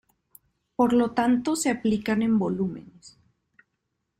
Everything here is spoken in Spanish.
Por lo tanto, se aplican en volúmenes.